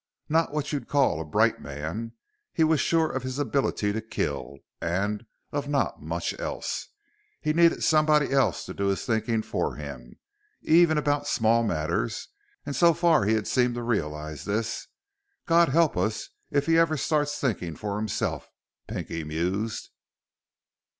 Not what you'd call a bright man, he was sure of his ability to kill, and of not much else. He needed somebody else to do his thinking for him, even about small matters, and so far he had seemed to realize this. God help us if he ever starts thinking for himself, Pinky mused.